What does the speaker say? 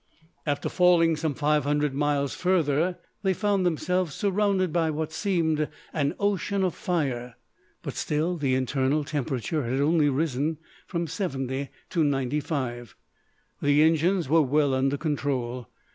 After falling some five hundred miles further they found themselves surrounded by what seemed an ocean of fire, but still the internal temperature had only risen from seventy to ninety five. The engines were well under control.